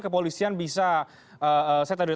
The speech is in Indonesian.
kepolisian bisa saya tak